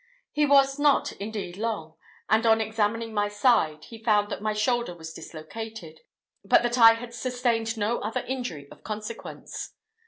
He was not indeed long; and on examining my side, he found that my shoulder was dislocated, but that I had sustained no other injury of consequence.